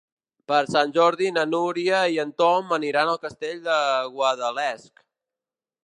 Per Sant Jordi na Núria i en Tom aniran al Castell de Guadalest.